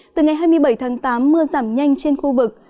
từ ngày hai mươi bảy tháng tám mưa giảm nhanh trên khu vực